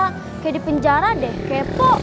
kayak di penjara deh kepo